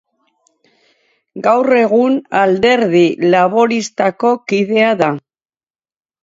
Gaur egun, Alderdi Laboristako kidea da.